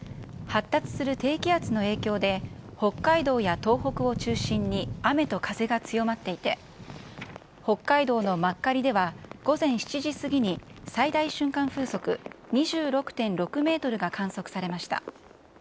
発達する低気圧の影響で、北海道や東北を中心に雨と風が強まっていて、北海道の真狩では、午前７時過ぎに最大瞬間風速２６．６メートルが観測されました。